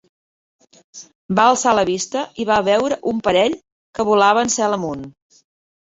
Va alçar la vista i va veure un parell que volaven cel amunt.